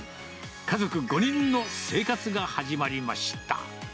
家族５人の生活が始まりました。